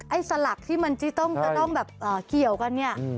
สลักที่มันจะต้องแบบเกี่ยวกันเนี่ย